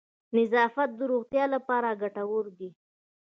نظافت د روغتیا لپاره گټور دی.